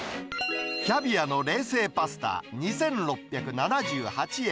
キャビアの冷製パスタ２６７８円。